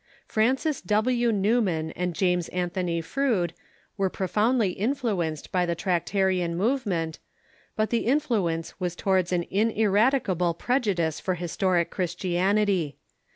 Francis W. Newman and James Anthony Froude were profoundlj^ influenced by the Tractarian movement, but the influence was towards an in eradicable prejudice for historic Christianity.